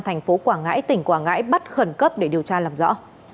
thành phố quảng ngãi tỉnh quảng ngãi bắt khẩn cấp để điều tra làm rõ